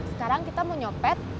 sekarang kita mau nyopet